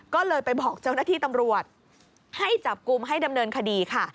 ก็เลยไปบอกเจ้าหน้าที่ตำรวจให้จับกลุ่มให้ดำเนินคดีค่ะ